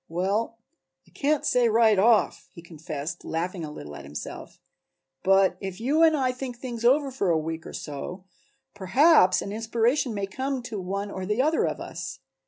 "Well, I can't say right off," he confessed, laughing a little at himself, "but if you and I think things over for a week or so, perhaps an inspiration may come to one or the other of us.